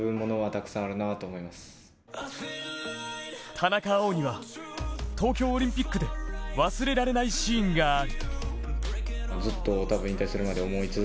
田中碧には東京オリンピックで忘れられないシーンがある。